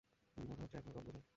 উনি মনে হচ্ছে এক লাইন কম বুঝেন।